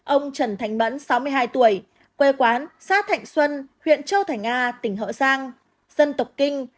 ông trần thành bẫn sáu mươi hai tuổi quê quán xá thạnh xuân huyện châu thảy nga tỉnh hỡ giang dân tộc kinh